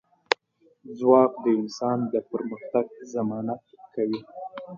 ځواک د انسان د پرمختګ ضمانت کوي.